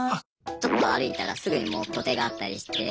ちょっと歩いたらすぐにもう土手があったりして。